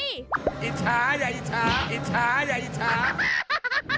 อิชาอย่าอิชาอิชาอย่าอิชา